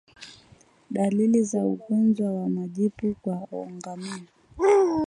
Dalili za ugonjwa wa majipu kwa ngamia